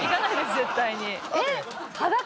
絶対に。